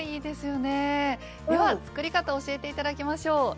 では作り方を教えて頂きましょう。